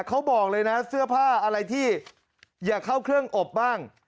เขาบอกเลยนะเสื้อผ้าอะไรที่อยากเข้าเครื่องอบบ้าง